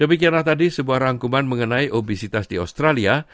demikianlah tadi sebuah rangkuman mengenai obesitas di australia